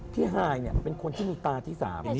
พี่ไห้นี่เป็นคนที่มีตาที่สาม